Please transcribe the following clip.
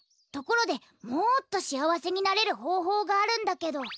ところでもっとしあわせになれるほうほうがあるんだけど。